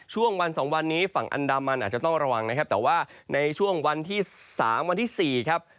ช่วงวันสองวันนี้ฝั่งอันดามันอาจจะต้องระวังนะครับแต่ว่าในช่วงวันที่๓วันที่๔ครับ